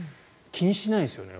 気にしないですよね。